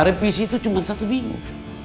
revisi itu cuma satu minggu